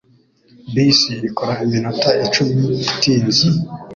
Bisi ikora iminota icumi itinze